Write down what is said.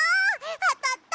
あたった！